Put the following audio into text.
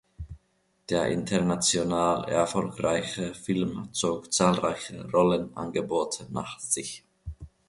Der international erfolgreiche Film zog zahlreiche Rollenangebote nach sich.